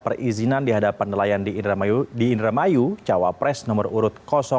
perizinan dihadapan nelayan di indramayu cawa pres nomor urut dua